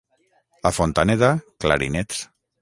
A Fontaneda, clarinets.